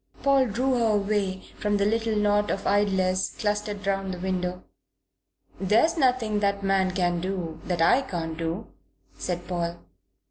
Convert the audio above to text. Paul drew her away from the little knot of idlers clustered round the window. "There's nothing that man can do that I can't do," said Paul.